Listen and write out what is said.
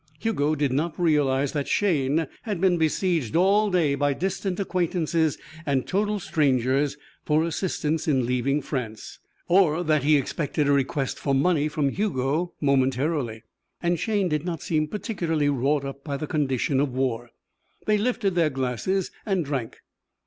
Hugo did not realize that Shayne had been besieged all day by distant acquaintances and total strangers for assistance in leaving France, or that he expected a request for money from Hugo momentarily. And Shayne did not seem particularly wrought up by the condition of war. They lifted their glasses and drank.